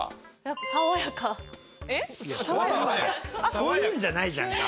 そういうのじゃないじゃんか。